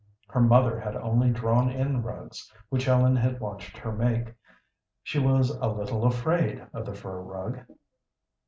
Her mother had only drawn in rugs, which Ellen had watched her make. She was a little afraid of the fur rug.